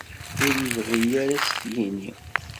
Ur ibɣi ara ad as-t-yini.